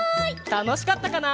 たのしかったかな？